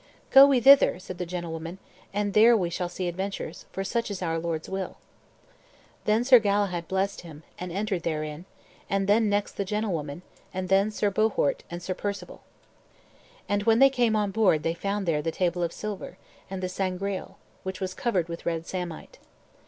"Go we thither," said the gentlewoman, "and there we shall see adventures, for such is our Lord's will." Then Sir Galahad blessed him, and entered therein, and then next the gentlewoman, and then Sir Bohort and Sir Perceval. And when they came on board they found there the table of silver, and the Sangreal, which was covered with red samite.